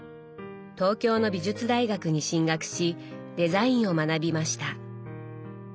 東京の美術大学に進学しデザインを学びました。